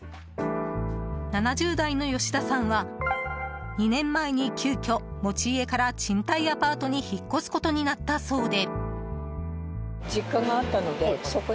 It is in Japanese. ７０代の吉田さんは２年前に急きょ持ち家から賃貸アパートに引っ越すことになったそうで。